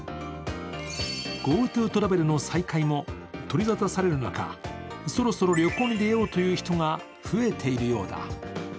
ＧｏＴｏトラベルの再開も取り沙汰される中、そろそろ旅行に出ようという人が増えているようだ。